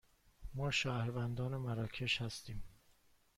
ما شهروندان مراکش هستیم.